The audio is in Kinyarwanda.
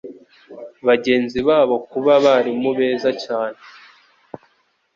bagenzi babo kuba abarimu beza